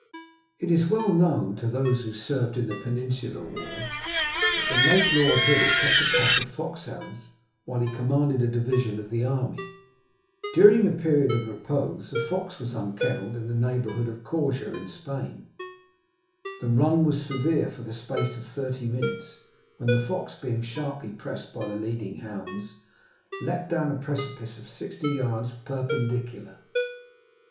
It is well known to those who served in the Peninsular War, that the late Lord Hill kept a pack of foxhounds while he commanded a division of the army. During a period of repose a fox was unkennelled in the neighbourhood of Corja, in Spain. The run was severe for the space of thirty minutes, when the fox, being sharply pressed by the leading hounds, leaped down a precipice of sixty yards perpendicular.